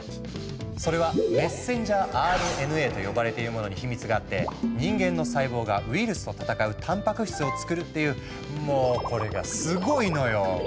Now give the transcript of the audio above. それは「メッセンジャーＲＮＡ」と呼ばれているものにヒミツがあって人間の細胞がウイルスと戦うたんぱく質をつくるっていうもおこれがスゴいのよ！